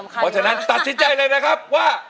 เพราะฉะนั้นตัดสินใจเลยนะครับว่า